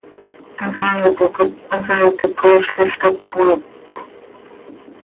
Hasaaiti cop hasaaiti coozlil cop cömiip.